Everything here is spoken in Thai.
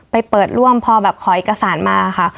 ไปเปิดร่วมพอแบบขอเอกสารมาค่ะ